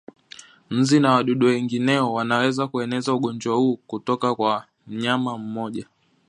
Nzi na wadudu wengineo wanaweza kuueneza ugonjwa huu kutoka kwa mnyama mmoja